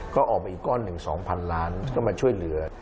ก็ออกมาอีกก้อนหนึ่ง๒๐๐๐ล้านก็มาช่วยเหลือ